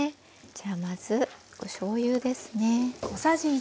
じゃあまずおしょうゆですね。